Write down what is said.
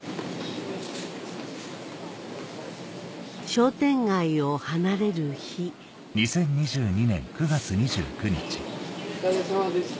商店街を離れる日お疲れさまでした。